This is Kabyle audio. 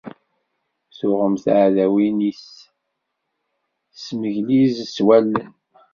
Tuɣem taɛdawin-is, tesmegliz s wallen.